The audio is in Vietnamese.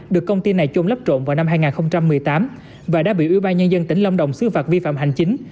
được công ty này chôn lấp trộn vào năm hai nghìn một mươi tám và đã bị ubnd tp đà lạt xứ phạt vi phạm hành chính